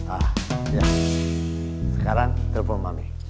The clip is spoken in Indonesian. ah ya sekarang telpon mami